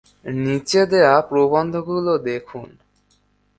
নীচে দেওয়া প্রবন্ধগুলো দেখুন।